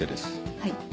はい。